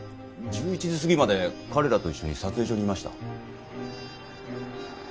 １１時過ぎまで彼らと一緒に撮影所にいました。